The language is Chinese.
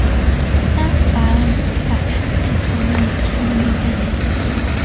三反五反时期曾经也是运动对象。